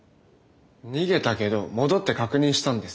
逃げたけど戻って確認したんです。